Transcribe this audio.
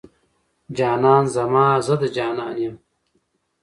جانان زما، زه د جانان يم